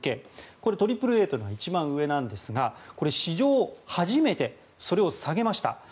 これ、ＡＡＡというのは一番上なんですがそれ史上初めてそれを下げました。